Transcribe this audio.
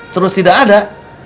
terus tidak ada